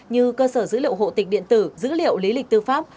như cơ sở dữ liệu hộ tịch điện tử dữ liệu lý lịch tư pháp